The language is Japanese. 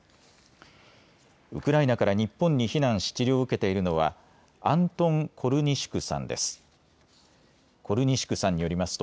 ウクライナから日本に避難し治療を受けているのはアントン・コルニシュクさんです。